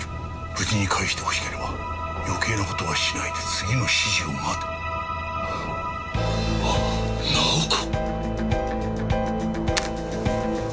「無事に返して欲しければ余計な事はしないで次の指示を待て」ああ直子！？